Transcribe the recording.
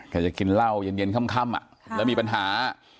แกจะกินเผ้าเล่ายันค่ำแล้วมีปัญหา